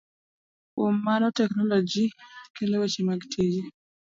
Kuom mano teknoloji kelo weche mag tije.